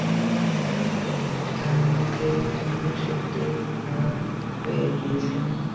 আমি মিনিট খানেকের জন্য সত্যিই ঘাবড়ে গেছিলাম।